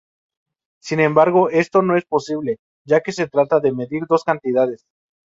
Sin embargo esto no es posible, ya que se trata de medir dos cantidades.